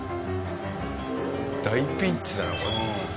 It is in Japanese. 大ピンチだなこれ。